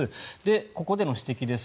ここでの指摘です。